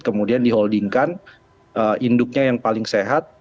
kemudian diholdingkan induknya yang paling sehat